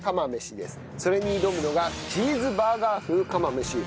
それに挑むのがチーズバーガー風釜飯。